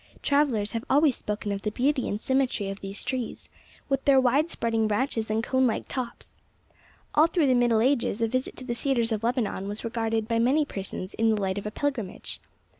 Travelers have always spoken of the beauty and symmetry of these trees, with their widespreading branches and cone like tops. All through the Middle Ages a visit to the cedars of Lebanon was regarded by many persons in the light of a pilgrimage.